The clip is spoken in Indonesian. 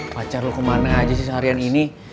pacar lu kemana aja sih seharian ini